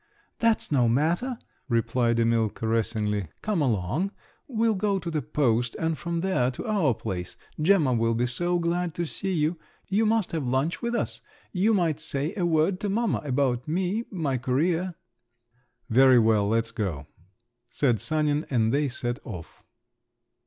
"That's no matter," replied Emil caressingly. "Come along! We'll go to the post—and from there to our place. Gemma will be so glad to see you! You must have lunch with us…. You might say a word to mamma about me, my career…." "Very well, let's go," said Sanin, and they set off.